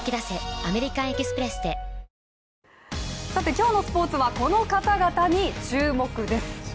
今日のスポーツはこの方々に注目です。